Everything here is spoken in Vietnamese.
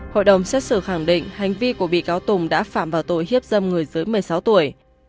hội đồng xét xử khẳng định hành vi của bị cáo tùng đã phạm vào tội hiếp dâm người dưới một mươi sáu tuổi